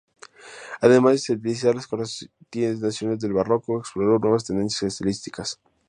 Además de sintetizar las corrientes nacionales del Barroco, exploró nuevas tendencias estilísticas.